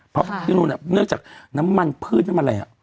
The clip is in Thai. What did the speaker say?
พอแน่นอนแหละเนื่องจากน้ำมันพืชมันอะไรอะ